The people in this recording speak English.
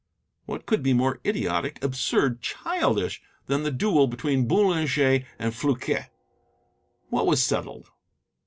What could be more idiotic, absurd, childish, than the duel between Boulanger and Floquet? What was settled?